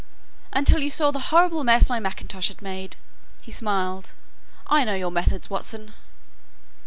"Until you saw the horrible mess my mackintosh has made," he smiled. "I know your methods, Watson!"